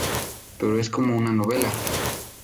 Pero es como una novela.